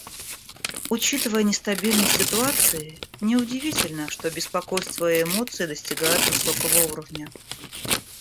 Учитывая нестабильность ситуации, неудивительно, что беспокойство и эмоции достигают высокого уровня.